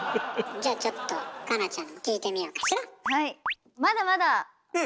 じゃあちょっと夏菜ちゃんに聞いてみようかしら。